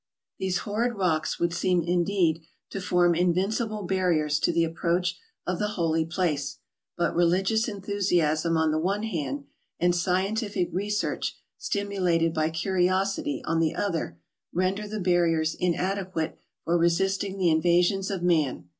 233 These horrid rocks would seem indeed to form in¬ vincible barriers to the approach of the holy place, but religious enthusiasm on the one hand, and scien¬ tific research, stimulated by curiosity, on the other, render the barriers inadequate for resisting the in¬ vasions of man.